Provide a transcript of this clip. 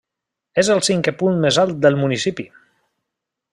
És el cinquè punt més alt del municipi.